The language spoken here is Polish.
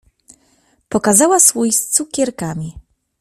Pokazała słój z cukierkami.